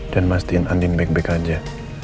dan mastiin andin back back aja